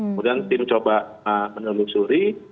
kemudian tim coba menelusuri